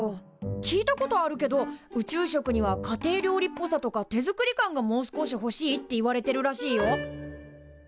聞いたことあるけど宇宙食には家庭料理っぽさとか手作り感がもう少しほしいっていわれてるらしいよ。